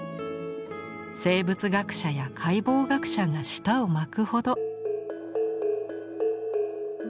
生物学者や解剖学者が舌を巻くほど。